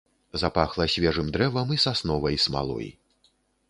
Запахла свежым дрэвам і сасновай смалой.